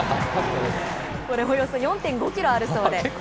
これおよそ４．５キロあるそうで。